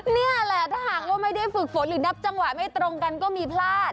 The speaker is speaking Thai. นี่แหละถ้าหากว่าไม่ได้ฝึกฝนหรือนับจังหวะไม่ตรงกันก็มีพลาด